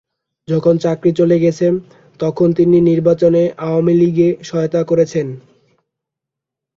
যখন চাকরি চলে গেছে, তখন তিনি নির্বাচনে আওয়ামী লীগকে সহায়তা করেছেন।